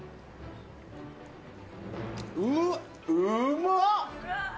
うっ、うまっ。